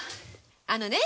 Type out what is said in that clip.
あのね